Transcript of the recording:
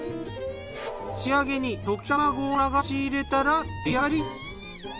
仕上げに溶き卵を流し入れたら出来上がり。